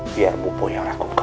biar bopo yang lakukan